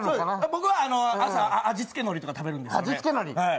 僕は朝、味付けのりとか食べるんだけどね。